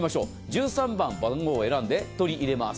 １３番、番号を選んで鶏、入れます。